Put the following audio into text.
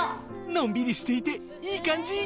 のんびりしていていい感じ！